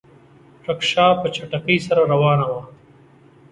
رکشه په چټکۍ سره روانه وه.